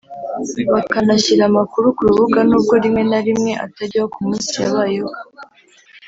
bakanashyira amakuru ku rubuga n’ubwo rimwe na rimwe atajyaho ku munsi yabayeho